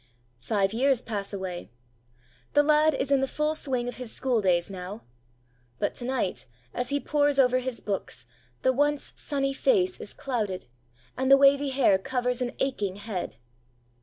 Five years pass away. The lad is in the full swing of his school days now. But to night, as he pores over his books, the once sunny face is clouded, and the wavy hair covers an aching head.